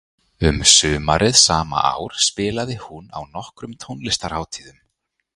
Um sumarið sama ár spilaði hún á nokkrum tónlistarhátíðum.